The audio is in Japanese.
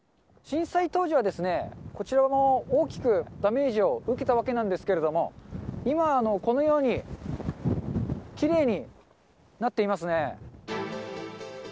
震災当時はこちらも大きくダメージを受けたわけなんですけれども、今、このようにきれいになっていますね。